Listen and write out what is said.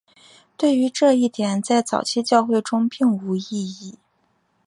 对于这一点在早期教会中并无异议。